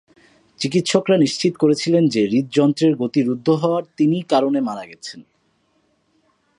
চিকিৎসকরা নিশ্চিত করেছিলেন যে হৃদযন্ত্রের গতি রুদ্ধ হওয়ার তিনি কারণে মারা গেছেন।